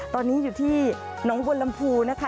ตอนนี้อยู่ที่น้องวลัมภูร์นะคะ